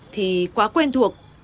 thì quá quen thuộc